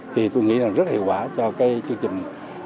thì tôi nghĩ là rất hiệu quả cho cái chương trình